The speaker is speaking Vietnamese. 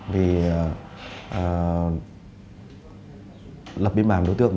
vì lập biên bản đối tượng